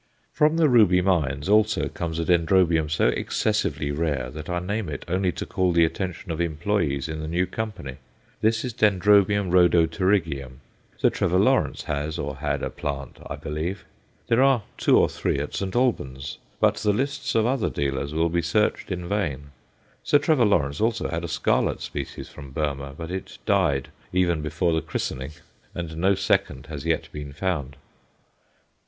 From the Ruby Mines also comes a Dendrobium so excessively rare that I name it only to call the attention of employés in the new company. This is D. rhodopterygium. Sir Trevor Lawrence has or had a plant, I believe; there are two or three at St. Albans; but the lists of other dealers will be searched in vain. Sir Trevor Lawrence had also a scarlet species from Burmah; but it died even before the christening, and no second has yet been found.